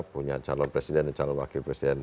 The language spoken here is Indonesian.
punya calon presiden dan calon wakil presiden